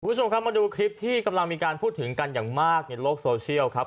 คุณผู้ชมครับมาดูคลิปที่กำลังมีการพูดถึงกันอย่างมากในโลกโซเชียลครับ